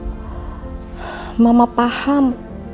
untuk semua kenangan aku sama bella